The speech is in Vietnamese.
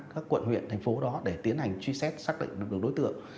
các quận huyện thành phố đó để tiến hành truy xét xác định được đối tượng